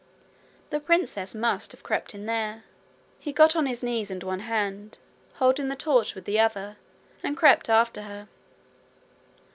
The princess must have crept in there. He got on his knees and one hand, holding the torch with the other, and crept after her.